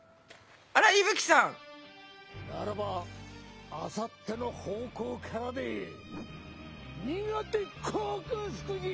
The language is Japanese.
ならばあさっての方向からで苦手克服じゃ！